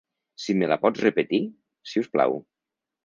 Si me la pots repetir, si us plau.